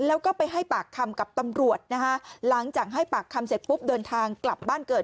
แล้วก็ไปให้ปากคำกับตำรวจนะคะหลังจากให้ปากคำเสร็จปุ๊บเดินทางกลับบ้านเกิด